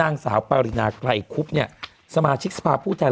มันติดคุกออกไปออกมาได้สองเดือน